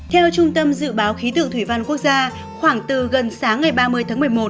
theo trung tâm dự báo khí tượng thủy văn quốc gia khoảng từ gần sáng ngày ba mươi tháng một mươi một